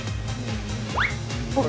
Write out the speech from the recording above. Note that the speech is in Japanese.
ほら！